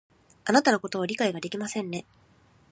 あなたのことを理解ができませんね